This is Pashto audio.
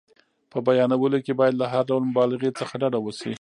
په بیانولو کې باید له هر ډول مبالغې څخه ډډه وشي.